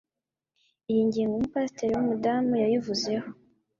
iyi ngingo umupasiteri w'umudamu yayivuzeho